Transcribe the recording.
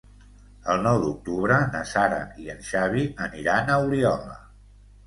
El nou d'octubre na Sara i en Xavi aniran a Oliola.